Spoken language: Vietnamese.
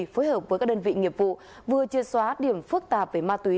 phối hợp với các đơn vị nghiệp vụ vừa chia xóa điểm phức tạp về ma túy